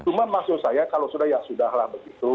cuma maksud saya kalau sudah ya sudah lah begitu